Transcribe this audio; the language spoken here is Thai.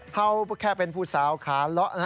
เขาแค่เป็นผู้สาวขาเลาะ